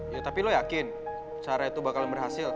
ya tapi lo yakin cara itu bakalan berhasil